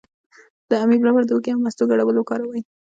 د امیب لپاره د هوږې او مستو ګډول وکاروئ